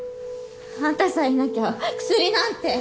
あんたさえいなきゃ薬なんて。